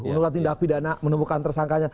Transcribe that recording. menulati dapidana menemukan tersangkanya